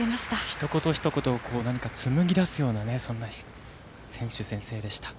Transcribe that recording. ひと言ひと言をつむぎ出すような選手宣誓でした。